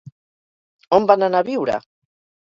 On van anar a viure?